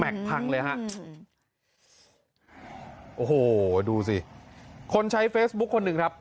แม็กซ์พังเลยฮะโอ้โหดูสิคนใช้เฟซบุ๊กคนหนึ่งครับ